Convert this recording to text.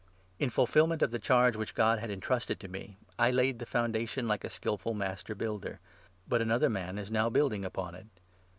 In fulfilment of the charge which God had entrusted to me, 10 I laid the foundation like a skilful master builder ; but another man is now building upon it.